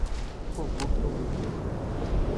Un concurso "Mr.